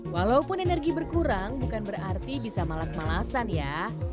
walaupun energi berkurang bukan berarti bisa malas malasan ya